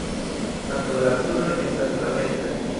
Ankaŭ la kruroj estas flavecaj.